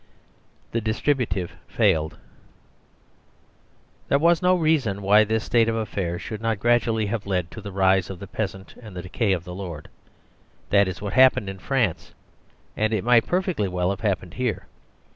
60 THE DISTRIBUTIVE FAILED There was no reason why this state of affairs should not gradually have led to the rise of the Peasant and the decay of the Lord. That is what happened in France, and it might perfectly well have happened here.